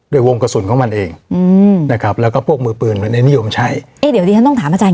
วงกระสุนของมันเองอืมนะครับแล้วก็พวกมือปืนมันได้นิยมใช้เอ๊ะเดี๋ยวดิฉันต้องถามอาจารย